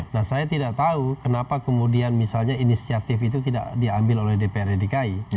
nah saya tidak tahu kenapa kemudian misalnya inisiatif itu tidak diambil oleh dprd dki